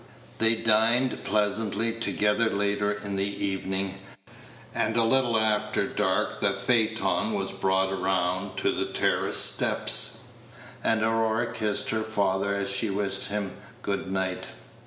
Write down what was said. They dined pleasantly together later in the evening, and a little after dark the phaeton was brought round to the terrace steps, and Aurora kissed her father as she wished him good night.